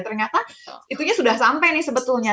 ternyata itunya sudah sampai nih sebetulnya